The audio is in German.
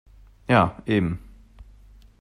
Ja, eben.